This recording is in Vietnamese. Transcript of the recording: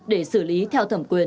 để xử lý theo thẩm quyền